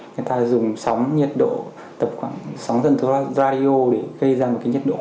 người ta dùng sóng nhiệt độ tập khoảng sóng dân số radio để gây ra một nhiệt độ năm mươi